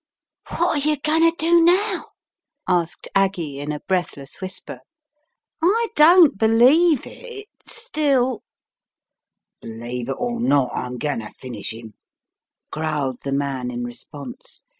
"What are you going to do now?" asked Aggie in a breathless whisper. "I don' I believe it — still " "Believe it or not, I'm going to finish him," growled the man in response.